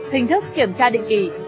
hình thức kiểm tra định kỳ